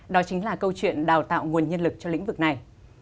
đó chính là câu chuyện đào tạo nguồn nhân lực cho lĩnh vực này